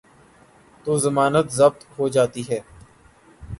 تو ضمانت ضبط ہو جاتی ہے۔